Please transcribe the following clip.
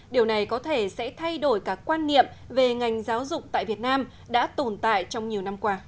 điều này có thể sẽ thay đổi cả quan niệm về ngành giáo dục tại việt nam đã tồn tại trong nhiều năm qua